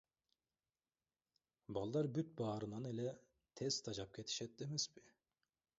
Балдар бүт баарынан эле тез тажап кетишет эмеспи.